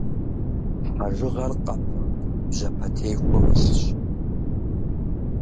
Хьэжыгъэр къэпым бжьэпэтехуэу илъщ.